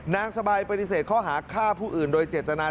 นางสบายปฏิเสธข้อหาฆ่าผู้อื่นโดยเจตนา